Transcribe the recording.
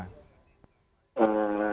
dari pihak keluarga